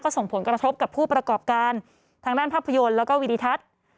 ส่งผลกระทบกับผู้ประกอบการทางด้านภาพยนตร์แล้วก็วิดิทัศน์